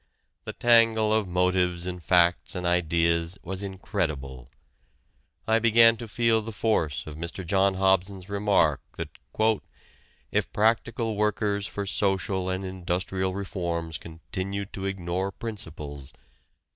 The tangle of motives and facts and ideas was incredible. I began to feel the force of Mr. John Hobson's remark that "if practical workers for social and industrial reforms continue to ignore principles